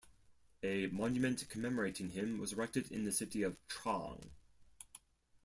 A monument commemorating him was erected in the city of Trang.